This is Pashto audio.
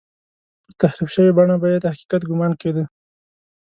پر تحریف شوې بڼه به یې د حقیقت ګومان کېده.